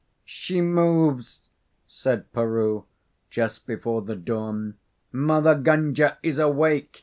"She moves!" said Peroo, just before the dawn. "Mother Gunga is awake!